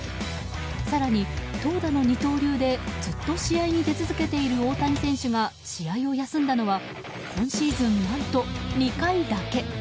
更に、投打の二刀流でずっと試合に出続けている大谷選手が試合を休んだのは今シーズン、何と２回だけ。